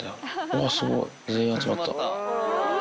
あー、すごい、全員集まった。